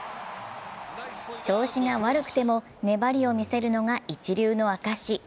調子が悪くても粘りを見せるのが一流の証し。